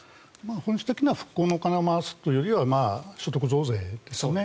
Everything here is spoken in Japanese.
本質的には復興のお金を回すというよりは所得増税ですね。